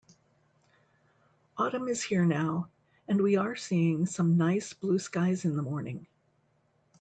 Autumn is here now, and we are seeing some nice blue skies in the morning.